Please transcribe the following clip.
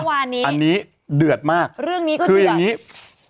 อันนี้เดือดมากเรื่องนี้ก็เดือด